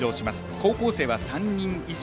高校生は３人以上。